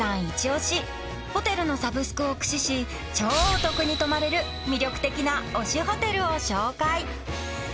一推しホテルのサブスクを駆使し超お得に泊まれる魅力的な推しホテルを紹介］